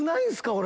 俺。